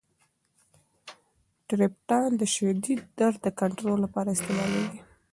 ټریپټان د شدید درد د کنترول لپاره استعمالیږي.